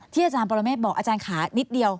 อาจารย์ปรเมฆบอกอาจารย์ขานิดเดียว